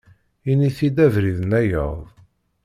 Ini-t-id abrid-nnayeḍ.